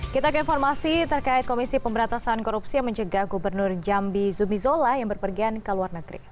kita ke informasi terkait komisi pemberantasan korupsi yang menjaga gubernur jambi zumizola yang berpergian ke luar negeri